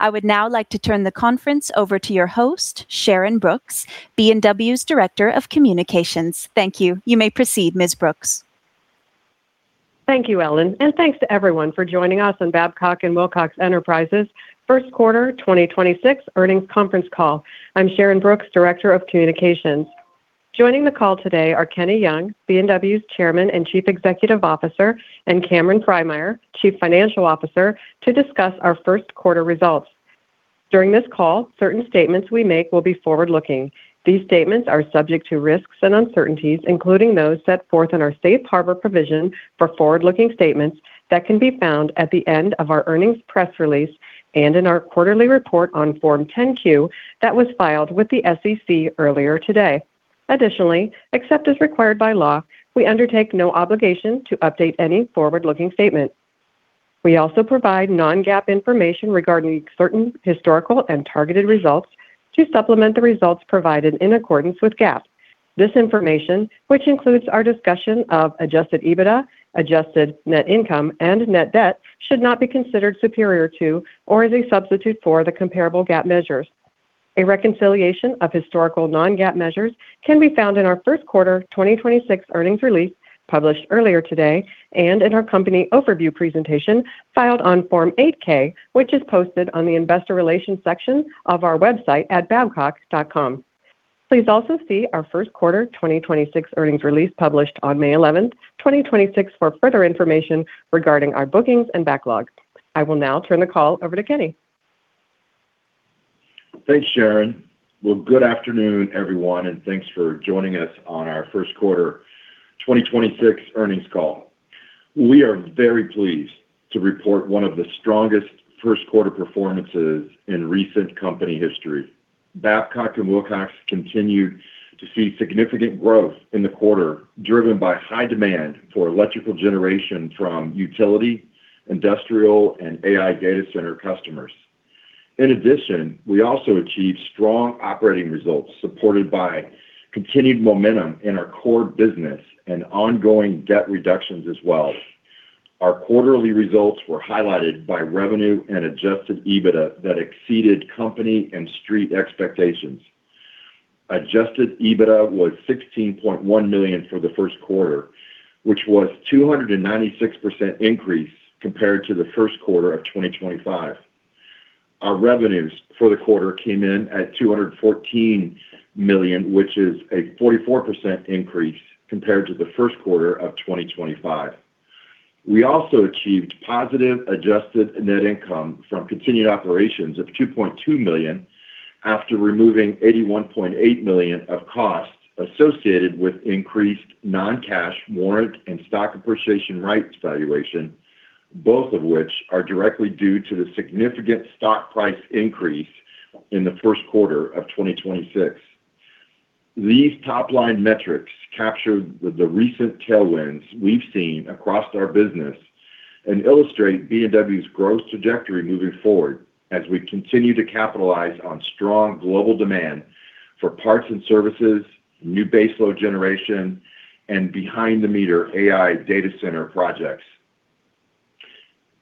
I would now like to turn the conference over to your host, Sharyn Brooks, B&W's Director of Communications. Thank you. You may proceed, Ms. Brooks. Thank you, Ellen. Thanks to everyone for joining us on Babcock & Wilcox Enterprises' first quarter 2026 earnings conference call. I'm Sharyn Brooks, Director of Communications. Joining the call today are Kenneth Young, B&W's Chairman and Chief Executive Officer, and Cameron Frymyer, Chief Financial Officer, to discuss our first quarter results. During this call, certain statements we make will be forward-looking. These statements are subject to risks and uncertainties, including those set forth in our safe harbor provision for forward-looking statements that can be found at the end of our earnings press release and in our quarterly report on Form 10-Q that was filed with the SEC earlier today. Additionally, except as required by law, we undertake no obligation to update any forward-looking statement. We also provide non-GAAP information regarding certain historical and targeted results to supplement the results provided in accordance with GAAP. This information, which includes our discussion of adjusted EBITDA, adjusted net income, and net debt, should not be considered superior to or as a substitute for the comparable GAAP measures. A reconciliation of historical non-GAAP measures can be found in our first quarter 2026 earnings release published earlier today and in our company overview presentation filed on Form 8-K, which is posted on the investor relations section of our website at babcock.com. Please also see our first quarter 2026 earnings release published on May 11th, 2026, for further information regarding our bookings and backlog. I will now turn the call over to Kenneth. Thanks, Sharyn. Well, good afternoon, everyone, and thanks for joining us on our first quarter 2026 earnings call. We are very pleased to report one of the strongest first quarter performances in recent company history. Babcock & Wilcox continued to see significant growth in the quarter, driven by high demand for electrical generation from utility, industrial, and AI data center customers. In addition, we also achieved strong operating results supported by continued momentum in our core business and ongoing debt reductions as well. Our quarterly results were highlighted by revenue and adjusted EBITDA that exceeded company and street expectations. Adjusted EBITDA was $16.1 million for the first quarter, which was a 296% increase compared to the first quarter of 2025. Our revenues for the quarter came in at $214 million, which is a 44% increase compared to the first quarter of 2025. We also achieved positive adjusted net income from continued operations of $2.2 million after removing $81.8 million of costs associated with increased non-cash warrant and stock appreciation rights valuation, both of which are directly due to the significant stock price increase in the first quarter of 2026. These top-line metrics captured the recent tailwinds we've seen across our business and illustrate B&W's growth trajectory moving forward as we continue to capitalize on strong global demand for parts and services, new baseload generation, and behind-the-meter AI data center projects.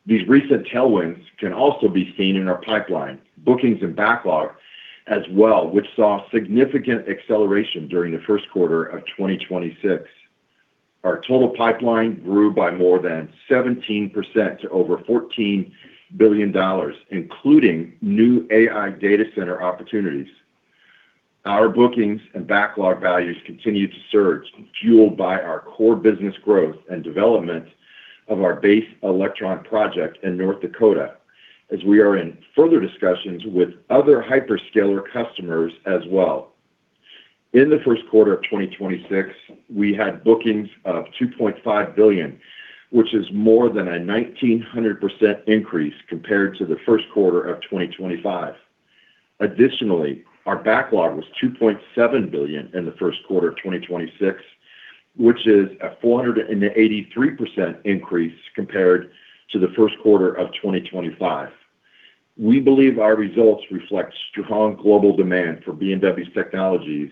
These recent tailwinds can also be seen in our pipeline, bookings and backlog as well, which saw significant acceleration during the first quarter of 2026. Our total pipeline grew by more than 17% to over $14 billion, including new AI data center opportunities. Our bookings and backlog values continued to surge, fueled by our core business growth and development of our Base Electron project in North Dakota, as we are in further discussions with other hyperscaler customers as well. In the first quarter of 2026, we had bookings of $2.5 billion, which is more than a 1,900% increase compared to the first quarter of 2025. Additionally, our backlog was $2.7 billion in the first quarter of 2026, which is a 483% increase compared to the first quarter of 2025. We believe our results reflect strong global demand for B&W's technologies,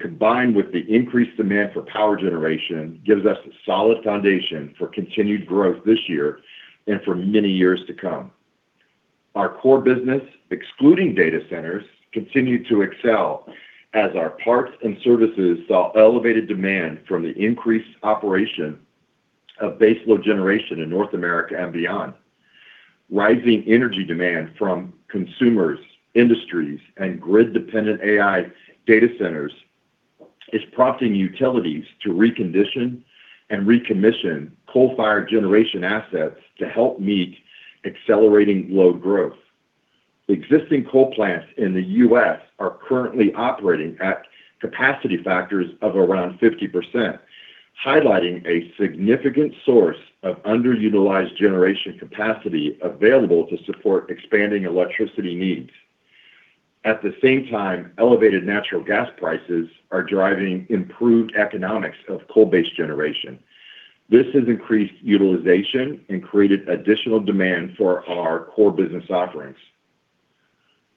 Combined with the increased demand for power generation, gives us a solid foundation for continued growth this year and for many years to come. Our core business, excluding data centers, continued to excel as our parts and services saw elevated demand from the increased operation of baseload generation in North America and beyond. Rising energy demand from consumers, industries, and grid-dependent AI data centers is prompting utilities to recondition and recommission coal-fired generation assets to help meet accelerating load growth. Existing coal plants in the U.S. are currently operating at capacity factors of around 50%, highlighting a significant source of underutilized generation capacity available to support expanding electricity needs. At the same time, elevated natural gas prices are driving improved economics of coal-based generation. This has increased utilization and created additional demand for our core business offerings.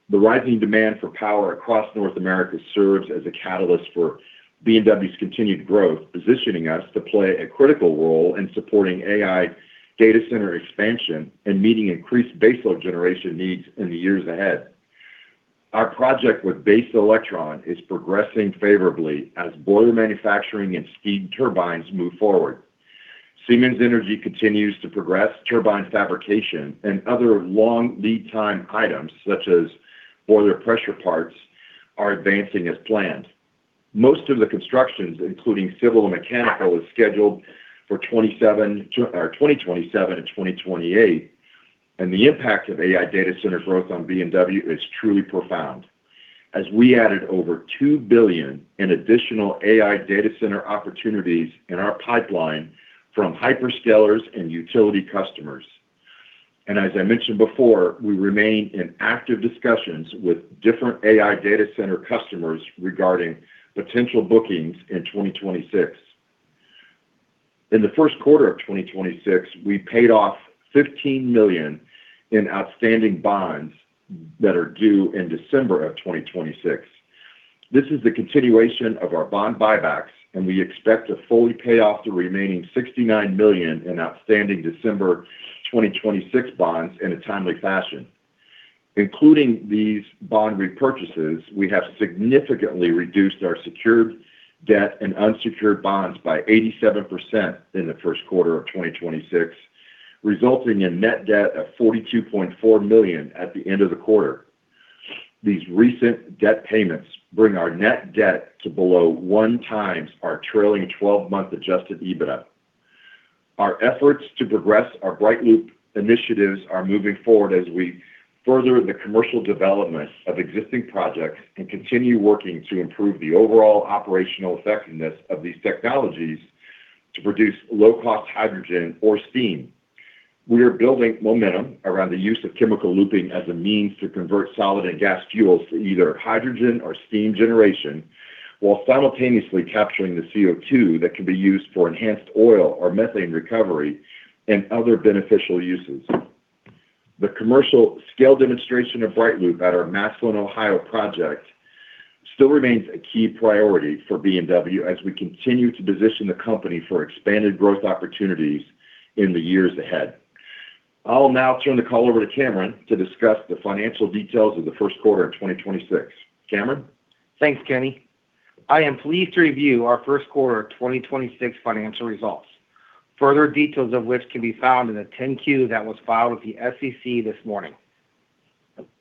The rising demand for power across North America serves as a catalyst for B&W's continued growth, positioning us to play a critical role in supporting AI data center expansion and meeting increased baseload generation needs in the years ahead. Our project with Base Electron is progressing favorably as boiler manufacturing and steam turbines move forward. Siemens Energy continues to progress turbine fabrication and other long lead time items such as boiler pressure parts are advancing as planned. Most of the constructions, including civil and mechanical, is scheduled for 2027 to 2028. The impact of AI data center growth on B&W is truly profound as we added over $2 billion in additional AI data center opportunities in our pipeline from hyperscalers and utility customers. As I mentioned before, we remain in active discussions with different AI data center customers regarding potential bookings in 2026. In the first quarter of 2026, we paid off $15 million in outstanding bonds that are due in December of 2026. This is the continuation of our bond buybacks, and we expect to fully pay off the remaining $69 million in outstanding December 2026 bonds in a timely fashion. Including these bond repurchases, we have significantly reduced our secured debt and unsecured bonds by 87% in the first quarter of 2026, resulting in net debt of $42.4 million at the end of the quarter. These recent debt payments bring our net debt to below 1 times our trailing 12-month adjusted EBITDA. Our efforts to progress our BrightLoop initiatives are moving forward as we further the commercial development of existing projects and continue working to improve the overall operational effectiveness of these technologies to produce low-cost hydrogen or steam. We are building momentum around the use of chemical looping as a means to convert solid and gas fuels to either hydrogen or steam generation while simultaneously capturing the CO2 that can be used for enhanced oil or methane recovery and other beneficial uses. The commercial scale demonstration of BrightLoop at our Massillon, Ohio project still remains a key priority for B&W as we continue to position the company for expanded growth opportunities in the years ahead. I'll now turn the call over to Cameron to discuss the financial details of the first quarter of 2026. Cameron? Thanks, Kenny. I am pleased to review our first quarter of 2026 financial results, further details of which can be found in the 10-Q that was filed with the SEC this morning.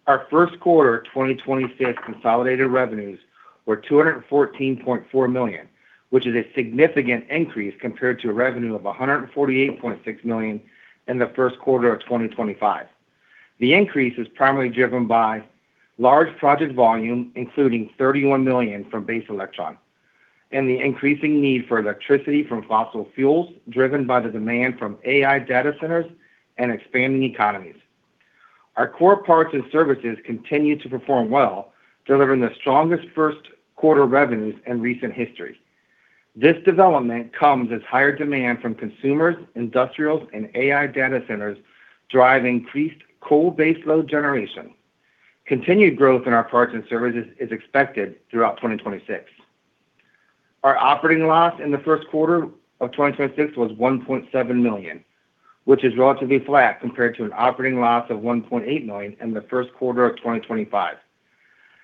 Our first quarter of 2026 consolidated revenues were $214.4 million, which is a significant increase compared to a revenue of $148.6 million in the first quarter of 2025. The increase is primarily driven by large project volume, including $31 million from Base Electron and the increasing need for electricity from fossil fuels driven by the demand from AI data centers and expanding economies. Our core parts and services continue to perform well, delivering the strongest first quarter revenues in recent history. This development comes as higher demand from consumers, industrials, and AI data centers drive increased coal baseload generation. Continued growth in our parts and services is expected throughout 2026. Our operating loss in the first quarter of 2026 was $1.7 million, which is relatively flat compared to an operating loss of $1.8 million in the first quarter of 2025.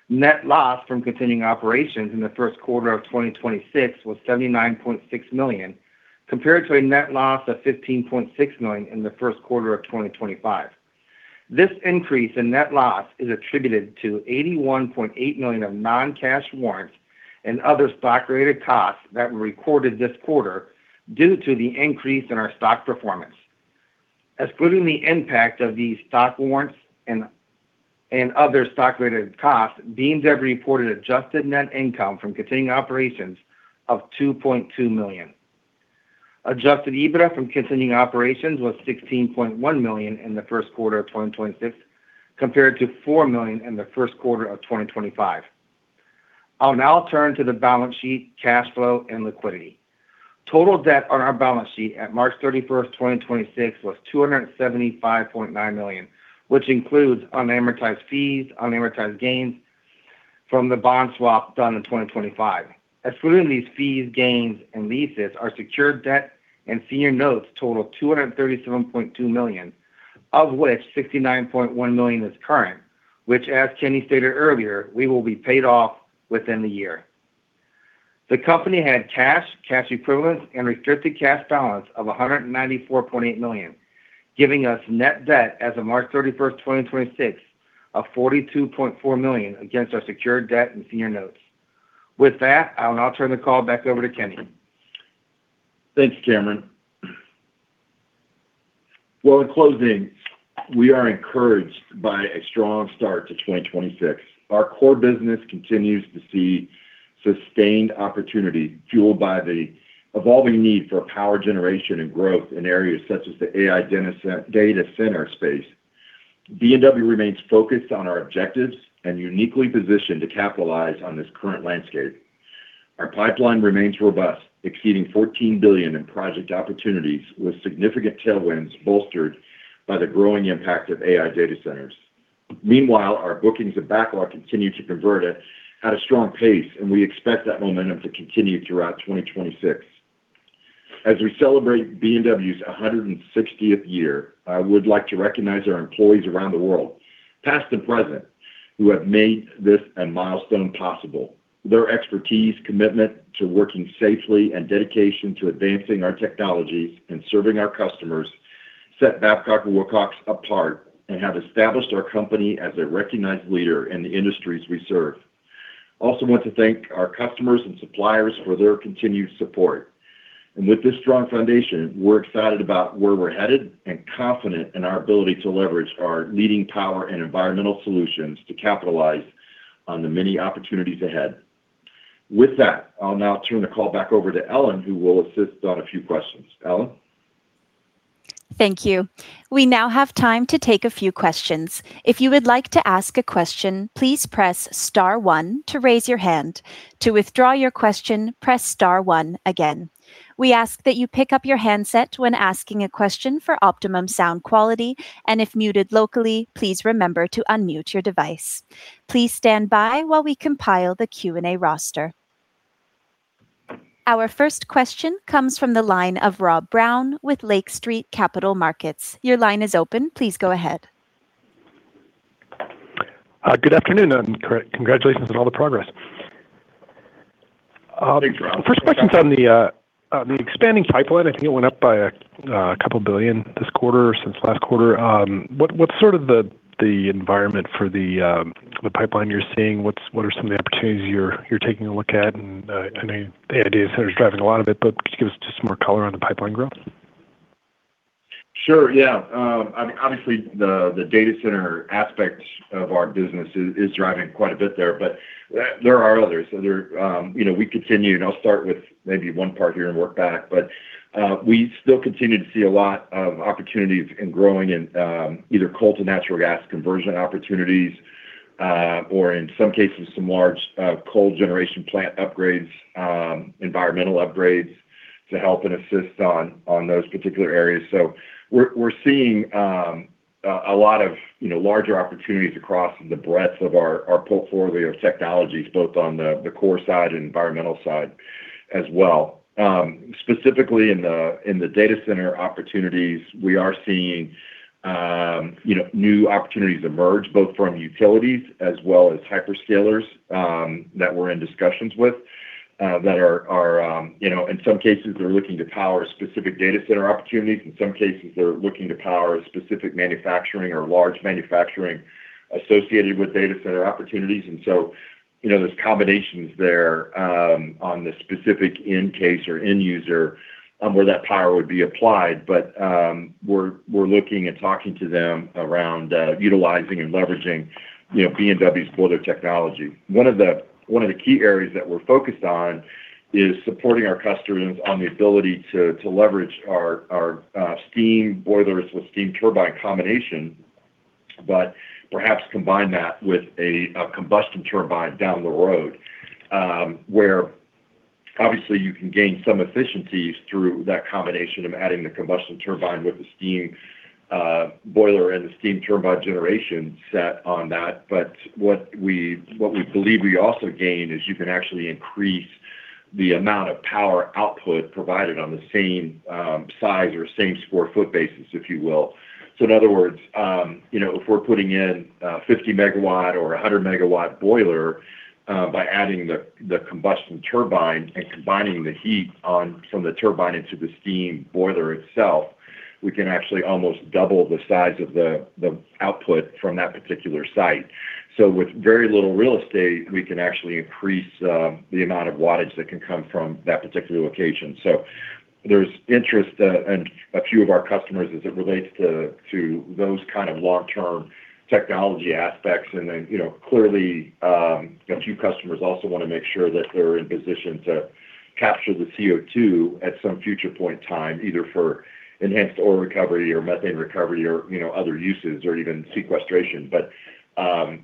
Net loss from continuing operations in the first quarter of 2026 was $79.6 million, compared to a net loss of $15.6 million in the first quarter of 2025. This increase in net loss is attributed to $81.8 million of non-cash warrants and other stock-related costs that were recorded this quarter due to the increase in our stock performance. Excluding the impact of these stock warrants and other stock-related costs, B&W reported adjusted net income from continuing operations of $2.2 million. Adjusted EBITDA from continuing operations was $16.1 million in the first quarter of 2026, compared to $4 million in the first quarter of 2025. I'll now turn to the balance sheet, cash flow, and liquidity. Total debt on our balance sheet at March 31st, 2026 was $275.9 million, which includes unamortized fees, unamortized gains from the bond swap done in 2025. Excluding these fees, gains, and leases, our secured debt and senior notes total $237.2 million, of which $69.1 million is current, which, as Kenneth Young stated earlier, we will be paid off within the year. The company had cash equivalents, and restricted cash balance of $194.8 million, giving us net debt as of March 31st, 2026 of $42.4 million against our secured debt and senior notes. With that, I'll now turn the call back over to Kenneth Young. Thanks, Cameron. Well, in closing, we are encouraged by a strong start to 2026. Our core business continues to see sustained opportunity fueled by the evolving need for power generation and growth in areas such as the AI data center space. B&W remains focused on our objectives and uniquely positioned to capitalize on this current landscape. Our pipeline remains robust, exceeding $14 billion in project opportunities, with significant tailwinds bolstered by the growing impact of AI data centers. Meanwhile, our bookings and backlog continue to convert at a strong pace, and we expect that momentum to continue throughout 2026. As we celebrate B&W's 160th year, I would like to recognize our employees around the world, past and present, who have made this a milestone possible. Their expertise, commitment to working safely, and dedication to advancing our technologies and serving our customers set Babcock & Wilcox apart and have established our company as a recognized leader in the industries we serve. I also want to thank our customers and suppliers for their continued support. With this strong foundation, we're excited about where we're headed and confident in our ability to leverage our leading power and environmental solutions to capitalize on the many opportunities ahead. With that, I'll now turn the call back over to Ellen, who will assist on a few questions. Ellen? Thank you. We now have time to take a few questions. If you would like to ask a question, please press star one to raise your hand. To withdraw your question, press star one again. We ask that you pick up your handset when asking a question for optimum sound quality, and if muted locally, please remember to unmute your device. Please stand by while we compile the Q&A roster. Our first question comes from the line of Rob Brown with Lake Street Capital Markets. Your line is open. Please go ahead. Good afternoon, congratulations on all the progress. Thanks, Rob. First question's on the expanding pipeline. I think it went up by a $2 billion this quarter since last quarter. What's sort of the environment for the pipeline you're seeing? What are some of the opportunities you're taking a look at? I know the data center's driving a lot of it, but could you give us just some more color on the pipeline growth? Sure, yeah. I mean, obviously the data center aspect of our business is driving quite a bit there, but there are others. There, you know, we continue, and I'll start with maybe one part here and work back. We still continue to see a lot of opportunities in growing in either coal to natural gas conversion opportunities, or in some cases, some large coal generation plant upgrades, environmental upgrades to help and assist on those particular areas. We're seeing a lot of, you know, larger opportunities across the breadth of our portfolio of technologies, both on the core side and environmental side as well. Specifically in the, in the data center opportunities, we are seeing, you know, new opportunities emerge both from utilities as well as hyperscalers, that we're in discussions with, that are, you know, in some cases they're looking to power specific data center opportunities. In some cases, they're looking to power a specific manufacturing or large manufacturing associated with data center opportunities. You know, there's combinations there, on the specific end case or end user, where that power would be applied. We're looking and talking to them around utilizing and leveraging, you know, B&W's boiler technology. One of the key areas that we're focused on is supporting our customers on the ability to leverage our steam boilers with steam turbine combination, but perhaps combine that with a combustion turbine down the road. Where obviously you can gain some efficiencies through that combination of adding the combustion turbine with the steam boiler and the steam turbine generation set on that. What we believe we also gain is you can actually increase the amount of power output provided on the same size or same square foot basis, if you will. In other words, you know, if we're putting in a 50 MW or a 100 MW boiler, by adding the combustion turbine and combining the heat on from the turbine into the steam boiler itself, we can actually almost double the size of the output from that particular site. With very little real estate, we can actually increase the amount of wattage that can come from that particular location. There's interest in a few of our customers as it relates to those kind of long-term technology aspects. You know, clearly, a few customers also want to make sure that they're in position to capture the CO2 at some future point in time, either for enhanced oil recovery or methane recovery or, you know, other uses or even sequestration.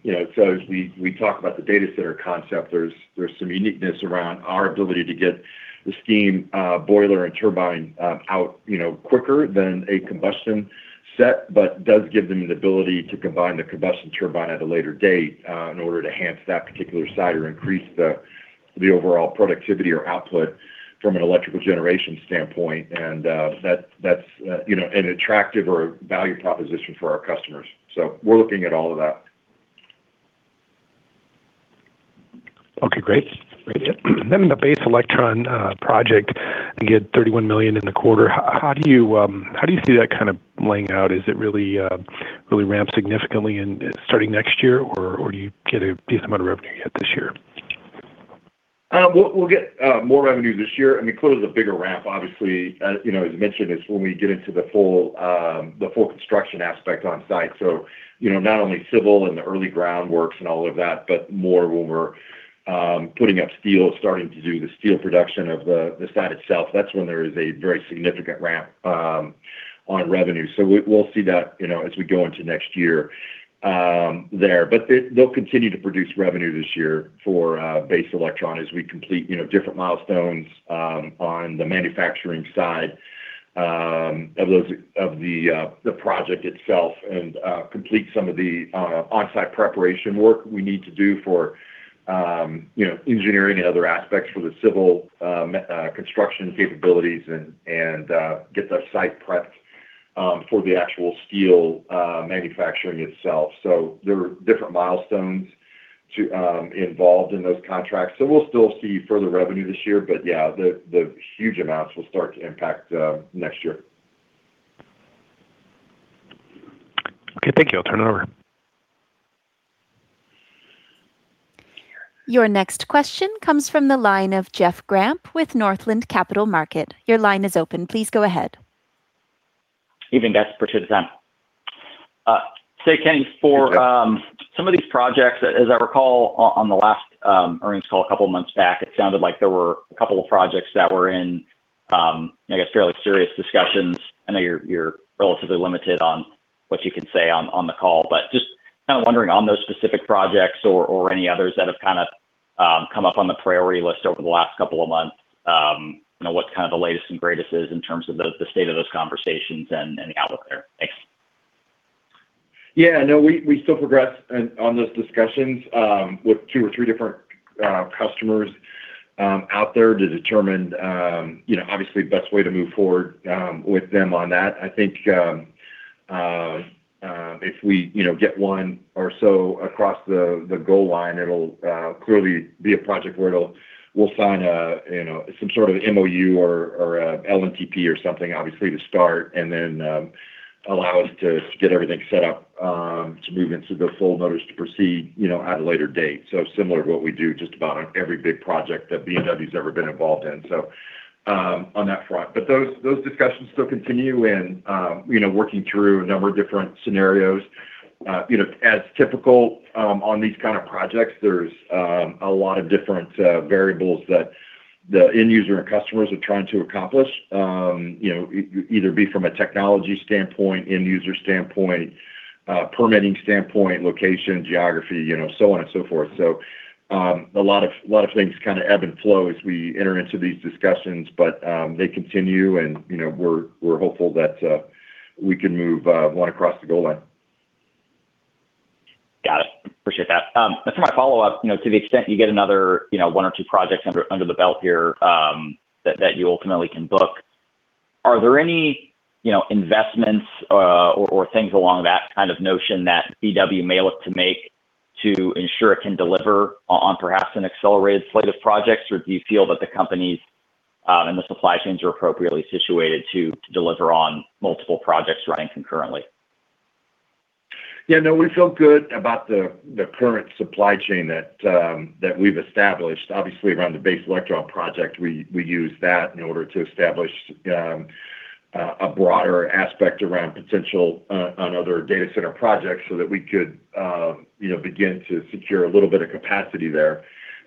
You know, as we talk about the data center concept, there's some uniqueness around our ability to get the steam boiler and turbine out, you know, quicker than a combustion set, but does give them the ability to combine the combustion turbine at a later date in order to enhance that particular site or increase the overall productivity or output from an electrical generation standpoint. That's, you know, an attractive or a value proposition for our customers. We're looking at all of that. Okay, great. Yeah. The Base Electron project can get $31 million in the quarter. How do you see that kind of laying out? Is it really ramp significantly in starting next year, or do you get a decent amount of revenue yet this year? We'll get more revenue this year. I mean, clearly there's a bigger ramp. Obviously, you know, as you mentioned, it's when we get into the full, the full construction aspect on site. You know, not only civil and the early groundworks and all of that, but more when we're putting up steel, starting to do the steel production of the site itself. That's when there is a very significant ramp on revenue. We'll see that, you know, as we go into next year, there. They'll continue to produce revenue this year for Base Electron as we complete, you know, different milestones on the manufacturing side of those, of the project itself, complete some of the onsite preparation work we need to do for, you know, engineering and other aspects for the civil construction capabilities and get the site prepped for the actual steel manufacturing itself. There are different milestones to involved in those contracts. We'll still see further revenue this year, but yeah, the huge amounts will start to impact next year. Okay, thank you. I'll turn it over. Your next question comes from the line of Jeff Grampp with Northland Capital Markets. Your line is open. Please go ahead. Evening, guys. Appreciate the time. Hey, Jeff. For some of these projects, as I recall on the last earnings call a couple months back, it sounded like there were a couple of projects that were in, I guess, fairly serious discussions. I know you're relatively limited on what you can say on the call, but just kind of wondering on those specific projects or any others that have kind of come up on the priority list over the last couple of months, you know, what kind of the latest and greatest is in terms of the state of those conversations and the outlook there. Thanks. Yeah, no, we still progress on those discussions with two or three different customers out there to determine, you know, obviously, the best way to move forward with them on that. I think, if we, you know, get one or so across the goal line, it'll clearly be a project where we'll sign a, you know, some sort of MOU or LNTP or something obviously to start, and then allow us to get everything set up to move into the full notice to proceed, you know, at a later date. Similar to what we do just about on every big project that B&W's ever been involved in, on that front. Those discussions still continue and, you know, working through a number of different scenarios. You know, as typical, on these kind of projects, there's a lot of different variables that the end user and customers are trying to accomplish. You know, either be from a technology standpoint, end user standpoint, permitting standpoint, location, geography, you know, so on and so forth. A lot of things kind of ebb and flow as we enter into these discussions, but they continue and, you know, we're hopeful that we can move one across the goal line. Got it. Appreciate that. That's my follow-up. You know, to the extent you get another, you know, one or two projects under the belt here, that you ultimately can book, are there any, you know, investments, or things along that kind of notion that B&W may look to make to ensure it can deliver on perhaps an accelerated slate of projects? Or do you feel that the companies and the supply chains are appropriately situated to deliver on multiple projects running concurrently? Yeah, no, we feel good about the current supply chain that we've established. Obviously, around the Base Electron project, we used that in order to establish a broader aspect around potential on other data center projects so that we could, you know, begin to secure a little bit of capacity there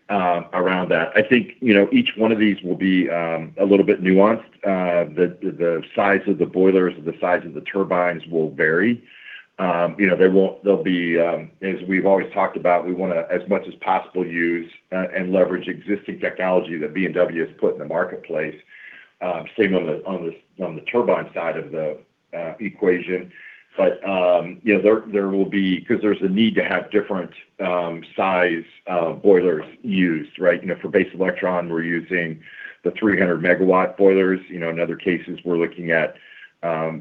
around that. I think, you know, each one of these will be a little bit nuanced. The size of the boilers or the size of the turbines will vary. You know, they'll be, as we've always talked about, we wanna, as much as possible, use and leverage existing technology that B&W has put in the marketplace, same on the turbine side of the equation. You know, there will be because there's a need to have different size boilers used, right? You know, for Base Electron, we're using the 300 MW boilers. You know, in other cases, we're looking at,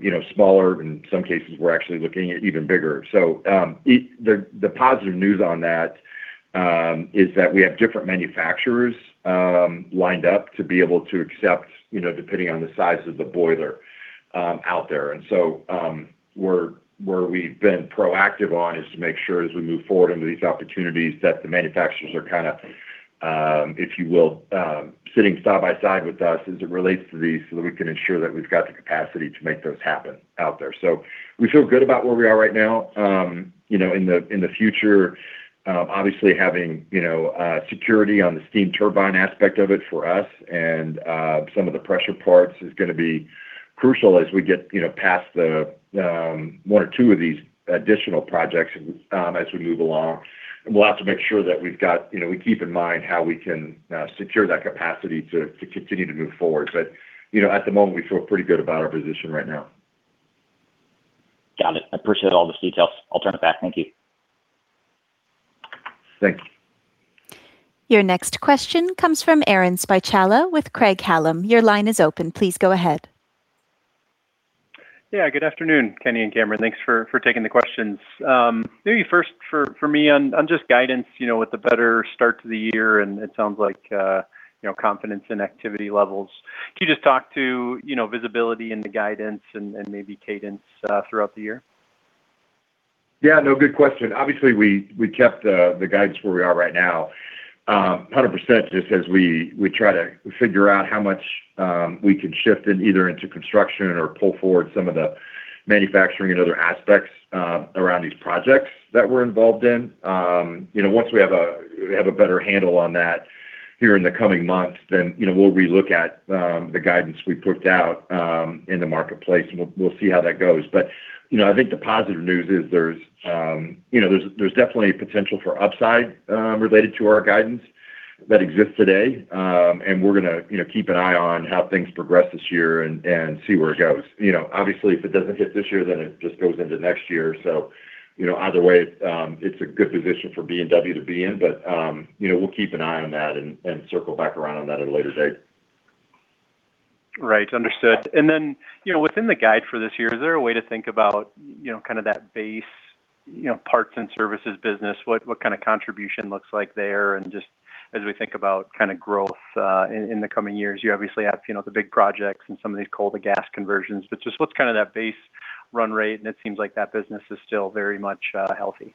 you know, smaller. In some cases, we're actually looking at even bigger. The positive news on that is that we have different manufacturers lined up to be able to accept, you know, depending on the size of the boiler out there. Where we've been proactive on is to make sure as we move forward into these opportunities, that the manufacturers are kind of, if you will, sitting side by side with us as it relates to these so that we can ensure that we've got the capacity to make those happen out there. We feel good about where we are right now. You know, in the, in the future, obviously having, you know, security on the steam turbine aspect of it for us and, some of the pressure parts is gonna be crucial as we get, you know, past the, one or two of these additional projects, as we move along. We'll have to make sure that, you know, we keep in mind how we can secure that capacity to continue to move forward. You know, at the moment, we feel pretty good about our position right now. Got it. I appreciate all those details. I'll turn it back. Thank you. Thank you. Your next question comes from Aaron Spychalla with Craig-Hallum. Your line is open. Please go ahead. Yeah, good afternoon, Kenny and Cameron. Thanks for taking the questions. Maybe first for me on just guidance, you know, with the better start to the year and it sounds like, you know, confidence in activity levels. Can you just talk to, you know, visibility into guidance and maybe cadence throughout the year? Yeah, no, good question. Obviously, we kept the guidance where we are right now, 100% just as we try to figure out how much we can shift in either into construction or pull forward some of the manufacturing and other aspects around these projects that we're involved in. You know, once we have a better handle on that here in the coming months, then, you know, we'll relook at the guidance we put out in the marketplace and we'll see how that goes. You know, I think the positive news is there's, you know, there's definitely potential for upside related to our guidance that exists today. We're gonna, you know, keep an eye on how things progress this year and see where it goes. You know, obviously, if it doesn't hit this year, then it just goes into next year. You know, either way, it's a good position for BW to be in. You know, we'll keep an eye on that and circle back around on that at a later date. Right. Understood. You know, within the guide for this year, is there a way to think about, you know, kind of that base, you know, parts and services business? What kind of contribution looks like there? Just as we think about kind of growth in the coming years, you obviously have, you know, the big projects and some of these coal to gas conversions, but just what's kind of that base run rate? It seems like that business is still very much healthy.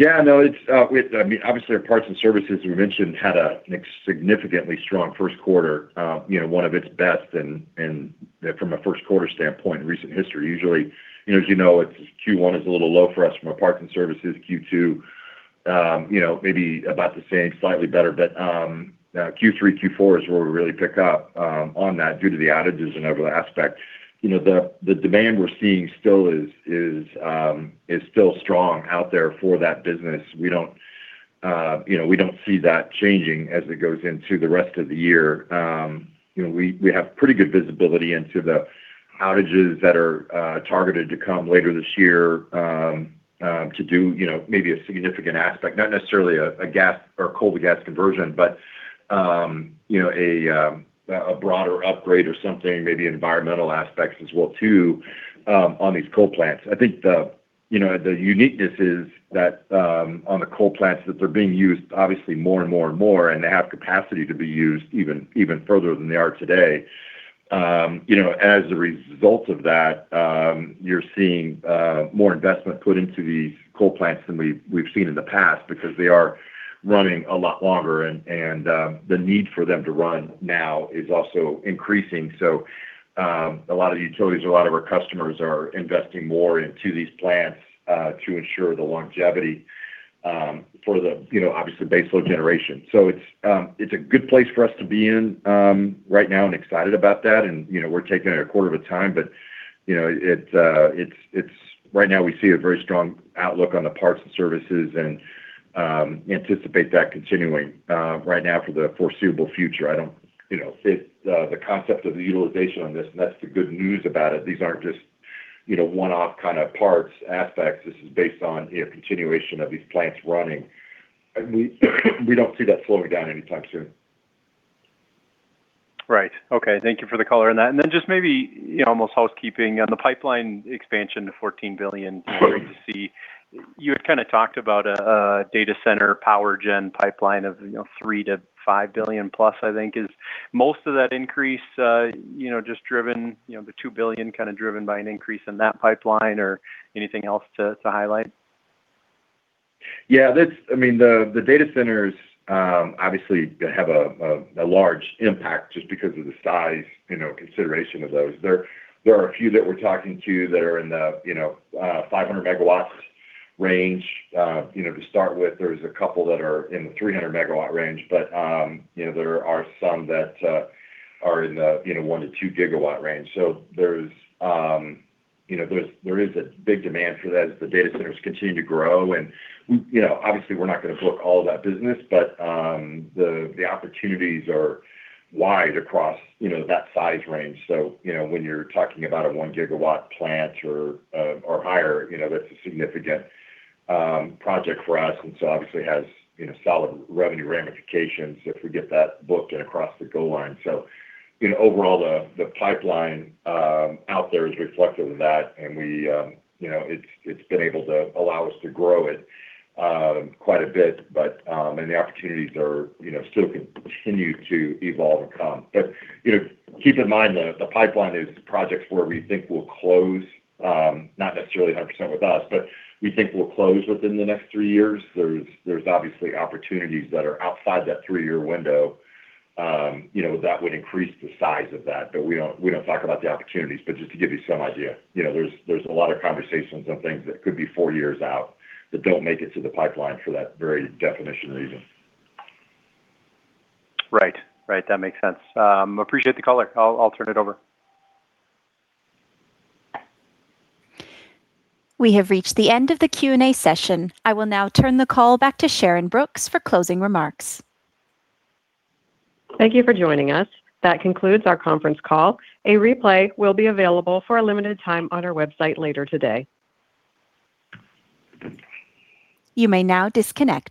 Yeah, no, it's, I mean, obviously our parts and services we mentioned had a significantly strong first quarter, you know, one of its best from a first quarter standpoint in recent history. Usually, you know, as you know, it's Q1 is a little low for us from a parts and services Q2, you know, maybe about the same, slightly better. Q3, Q4 is where we really pick up on that due to the outages and other aspects. You know, the demand we're seeing still is still strong out there for that business. We don't, you know, we don't see that changing as it goes into the rest of the year. You know, we have pretty good visibility into the outages that are targeted to come later this year, to do, you know, maybe a significant aspect, not necessarily a gas or coal to gas conversion, but, you know, a broader upgrade or something, maybe environmental aspects as well too, on these coal plants. I think the, you know, the uniqueness is that, on the coal plants that they're being used obviously more and more and more, and they have capacity to be used even further than they are today. You know, as a result of that, you're seeing more investment put into these coal plants than we've seen in the past because they are running a lot longer and the need for them to run now is also increasing. A lot of utilities or a lot of our customers are investing more into these plants to ensure the longevity for the, you know, obviously baseload generation. It's a good place for us to be in right now and excited about that. You know, we're taking it a quarter at a time, but, you know, it's right now we see a very strong outlook on the parts and services and anticipate that continuing right now for the foreseeable future. I don't, you know, it's the concept of the utilization on this, and that's the good news about it. These aren't just, you know, one-off kind of parts aspects. This is based on, you know, continuation of these plants running. We don't see that slowing down anytime soon. Right. Okay. Thank you for the color on that. Just maybe, you know, almost housekeeping on the pipeline expansion to $14 billion legacy. You had kind of talked about a data center power gen pipeline of, you know, $3 billion-$5 billion plus I think. Is most of that increase, you know, just driven, you know, the $2 billion kind of driven by an increase in that pipeline or anything else to highlight? Yeah. I mean, the data centers obviously have a large impact just because of the size, you know, consideration of those. There are a few that we're talking to that are in the, you know, 500 MW range, you know, to start with. There's a couple that are in the 300 MW range. You know, there are some that are in the, you know, 1 to 2 GW range. There is, you know, a big demand for that as the data centers continue to grow. We, you know, obviously we're not gonna book all of that business. The opportunities are wide across, you know, that size range. You know, when you're talking about a 1 GW plant or higher, you know, that's a significant project for us. Obviously it has, you know, solid revenue ramifications if we get that booked and across the goal line. You know, overall the pipeline out there is reflective of that and we, you know, it's been able to allow us to grow it quite a bit. The opportunities are, you know, still continue to evolve and come. You know, keep in mind the pipeline is projects where we think we'll close, not necessarily 100% with us, but we think we'll close within the next three years. There's obviously opportunities that are outside that three-year window, you know, that would increase the size of that. We don't talk about the opportunities. Just to give you some idea, you know, there's a lot of conversations on things that could be four years out that don't make it to the pipeline for that very definition reason. Right. That makes sense. Appreciate the color. I'll turn it over. We have reached the end of the Q&A session. I will now turn the call back to Sharyn Brooks for closing remarks. Thank you for joining us. That concludes our conference call. A replay will be available for a limited time on our website later today. You may now disconnect.